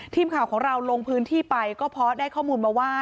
ทีมข่าวของเราลงพื้นที่ไปก็เพราะได้ข้อมูลมาว่า